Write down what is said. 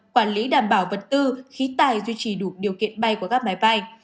quản lý đảm bảo vật tư khí tài duy trì đủ điều kiện bay của các máy bay